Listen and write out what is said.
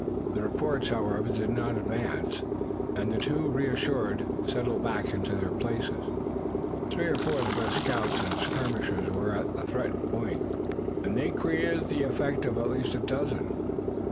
The reports, however, did not advance, and the two, reassured, settled back into their places. Three or four of the best scouts and skirmishers were at the threatened point, and they created the effect of at least a dozen.